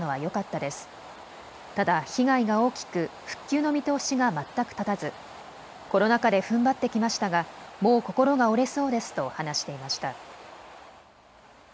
ただ被害が大きく復旧の見通しが全く立たずコロナ禍でふんばってきましたがもう心が折れそうですと話していました。